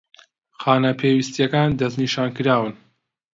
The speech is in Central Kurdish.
خانە پێویستەکان دەستنیشانکراون